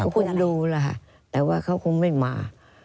ผมดูแล้วครับแต่ว่าเขาคงไม่มา